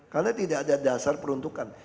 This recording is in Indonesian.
karena tidak ada dasar peruntukan